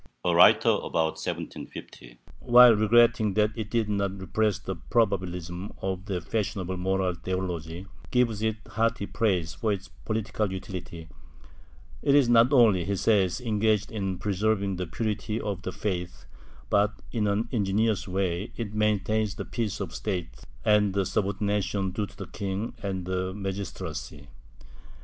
A writer about 1750, while regretting that it did not repress the Probabilism of the fashionable Moral Theology, gives it hearty praise for its political utility ; it is not only, he says, engaged in preserving the purity of the faith, but, in an ingenious way, it maintains the peace of the State and the subordination due to the king and the magistracy.